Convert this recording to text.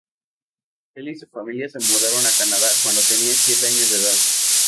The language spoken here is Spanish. Él y su familia se mudaron a Canadá cuando tenía siete años de edad.